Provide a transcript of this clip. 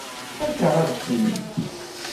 Fakeɣ-am-tent.